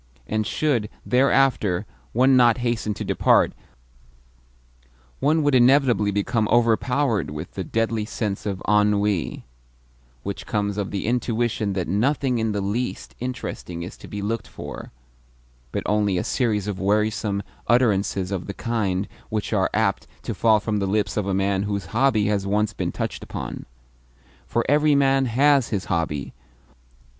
And should, thereafter, one not hasten to depart, one would inevitably become overpowered with the deadly sense of ennui which comes of the intuition that nothing in the least interesting is to be looked for, but only a series of wearisome utterances of the kind which are apt to fall from the lips of a man whose hobby has once been touched upon. For every man HAS his hobby.